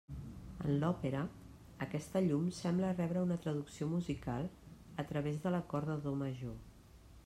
En l'òpera, aquesta llum sembla rebre una traducció musical a través de l'acord de do major.